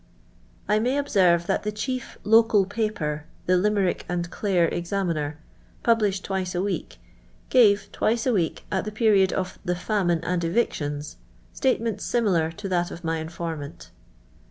I may observe that the chief local paper, the Tjihie.rirk ami Clare Exaniiiier. published twice a week, gave, twice a week, at the period of " the famine and evictions," statements similar to that of my informant.